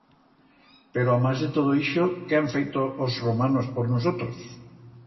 Pero, amás de todo ixo, qué han feito os romanos por nusotros?